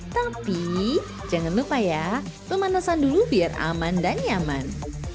tapi jangan lupa ya pemanasan dulu biar aman dan nyaman